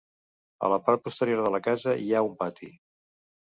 A la part posterior de la casa hi ha un pati.